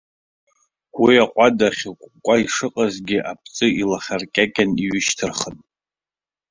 Уи аҟәада ахьыкәкәа ишыҟазгьы абҵы илахаркьакьан иҩышьҭырхын.